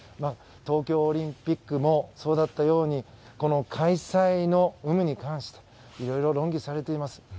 東京オリンピックもそうだったようにこの開催の有無に関していろいろ論議されています。